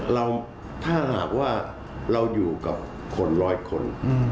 ถ้าหากว่าเราอยู่กับคนร้อยคน